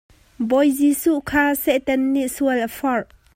Bawi Jesuh kha Satan nih sual a forh.